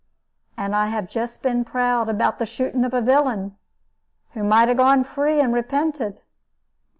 And I have just been proud about the shooting of a villain, who might 'a gone free and repented.